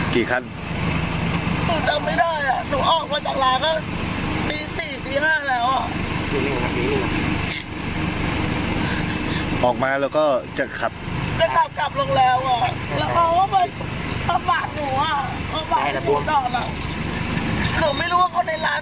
กี่คนครับคนที่มาทำร้ายจำได้ไหมอ๋อทำได้อ่ะกี่คัน